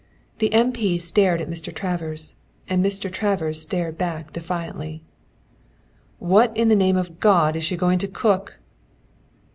The M. P. stared at Mr. Travers, and Mr. Travers stared back defiantly. "What in the name of God is she going to cook?"